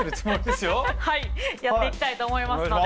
はいやっていきたいと思いますので。